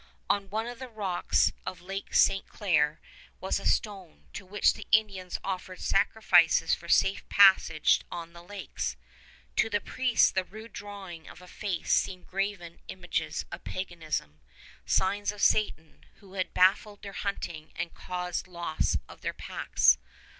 On one of the rocks of Lake Ste. Claire was a stone, to which the Indians offered sacrifices for safe passage on the lakes. To the priests the rude drawing of a face seemed graven images of paganism, signs of Satan, who had baffled their hunting and caused loss of their packs.